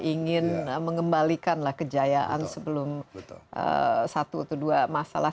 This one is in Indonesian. ingin mengembalikanlah kejayaan sebelum satu atau dua masalah